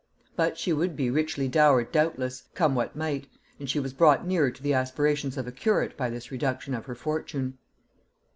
But she would be richly dowered doubtless, come what might; and she was brought nearer to the aspirations of a curate by this reduction of her fortune.